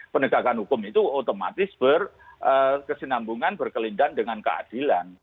penegakan hukum itu otomatis berkesinambungan berkelindahan dengan keadilan